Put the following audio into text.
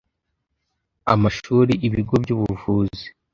amashuri, ibigo by' ubuvuzi